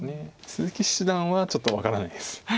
鈴木七段はちょっと分からないです。